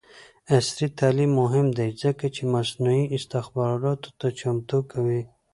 عصري تعلیم مهم دی ځکه چې مصنوعي استخباراتو ته چمتو کوي.